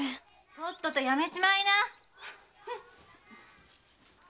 とっととやめちまいな！